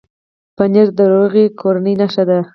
پنېر د روغې کورنۍ نښه ده.